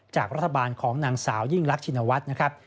จากรัฐบาลของนางสาวยิ่งรักชินวัฒน์นะครับ